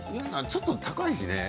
ちょっと高いしね。